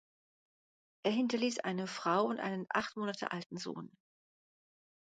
Er hinterließ eine Frau und einen acht Monate alten Sohn.